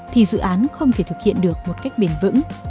thì dự án không thể thực hiện được một cách bền vững